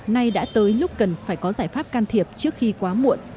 nay đã tới lúc cần phải có giải pháp can thiệp trước khi quá muộn